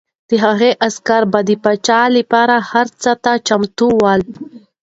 د هغه عسکر به د پاچا لپاره هر څه ته چمتو ول.